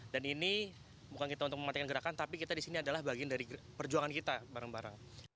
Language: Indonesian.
dan ini bukan kita untuk mematikan gerakan tapi kita di sini adalah bagian dari perjuangan kita bareng bareng